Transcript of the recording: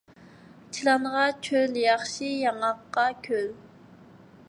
چىلانغا چۆل ياخشى، ياڭاققا كۆل